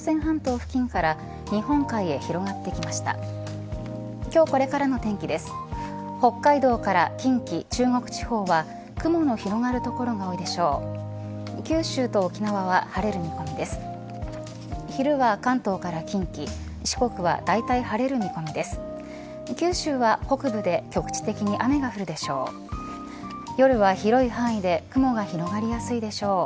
北海道から近畿、中国地方は雲の広がる所が多いでしょう。